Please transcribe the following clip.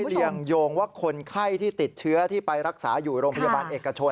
เรียงโยงว่าคนไข้ที่ติดเชื้อที่ไปรักษาอยู่โรงพยาบาลเอกชน